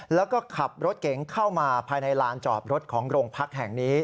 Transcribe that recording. แล้วก็ขับรถเก๋งเข้ามาภายในลานจอดรถของโรงพักแห่งนี้